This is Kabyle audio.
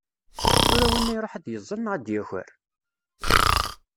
Tura winna iruḥ ad yeẓẓal neɣ ad d-yaker?